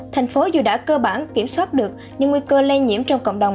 thành phố dù đã cơ bản kiểm soát được nhưng nguy cơ lây nhiễm trong cộng đồng